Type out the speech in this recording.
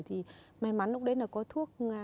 thì may mắn lúc đấy là có thuốc